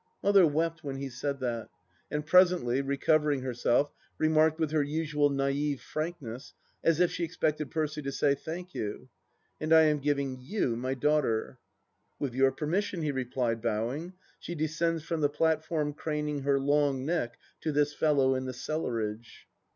Mother wept when he said that, and presently, recovering herself, remarked with her usual naive frankness, as if she expected Percy to say. Thank You !—" And I am giving you my daughter." " With your permission," he replied, bowing, " she descends from the platform, craning her long neck to this fellow in the cellarage."